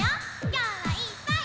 きょうはいっぱい。